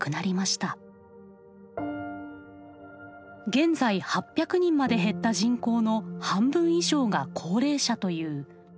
現在８００人まで減った人口の半分以上が高齢者という限界集落。